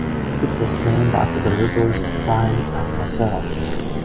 It was named after the rivers Rhine and Moselle.